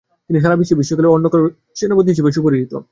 তিনি সারা বিশ্বে সর্বকালের অন্যতম সেরা সেনাপতি হিসেবে সুপরিচিত।